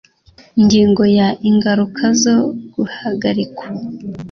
Ingingo ya ingaruka zo guhagarikwa